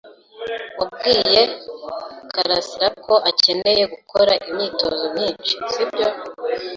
Wabwiye karasira ko akeneye gukora imyitozo myinshi, sibyo?